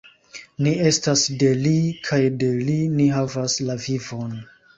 Ni estas de Li kaj de Li ni havas la vivon!